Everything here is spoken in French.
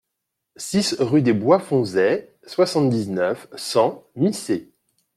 six rue des Bois de Fonzay, soixante-dix-neuf, cent, Missé